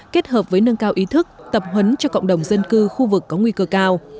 kết hợp với nâng cao ý thức tập huấn cho cộng đồng dân cư khu vực có nguy cơ cao